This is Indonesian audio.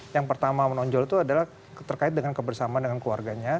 yang pertama menonjol itu adalah terkait dengan kebersamaan dengan keluarganya